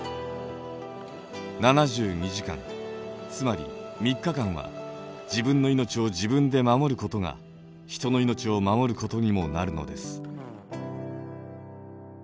７２時間つまり３日間は自分の命を自分で守ることが人の命を守ることにもなるのです。